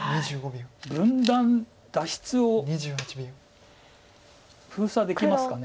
分断脱出を封鎖できますかね。